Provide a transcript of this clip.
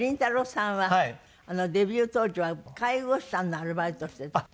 さんはデビュー当時は介護士さんのアルバイトをしていた。